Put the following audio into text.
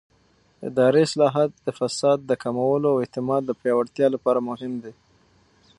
اداري اصلاحات د فساد د کمولو او اعتماد د پیاوړتیا لپاره مهم دي